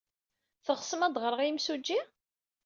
Teɣsem ad d-ɣreɣ i yimsujji?